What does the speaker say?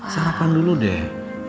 sarapan dulu deh